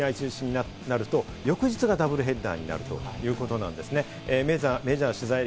雨なんかで試合が中止になると翌日がダブルヘッダーになるということなんですね。